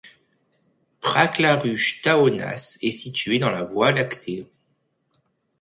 Praclarush Taonas est située dans la Voie Lactée.